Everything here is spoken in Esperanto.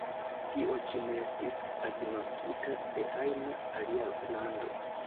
Tio ĉi ne estis agnoskita de ajna alia lando.